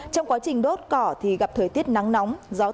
trong quá trình đốt cỏ thì gặp thời tiết nắng nóng